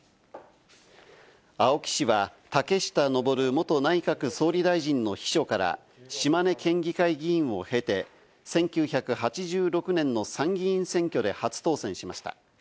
青木氏は竹下登元内閣総理大臣の秘書から島根県議会議員を経て、１９８６年の参議院選挙で初当選しました。